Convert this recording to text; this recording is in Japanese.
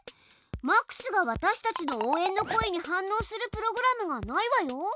マックスがわたしたちの応援の声に反応するプログラムがないわよ？